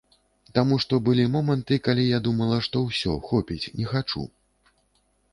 Таму што былі моманты, калі я думала, што ўсё, хопіць, не хачу.